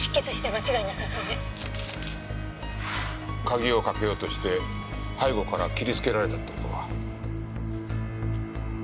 鍵をかけようとして背後から切り付けられたって事か。